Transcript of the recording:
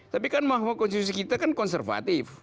tapi kan mahkamah konstitusi kita kan konservatif